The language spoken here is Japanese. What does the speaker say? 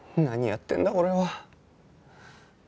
何やってんだ俺は。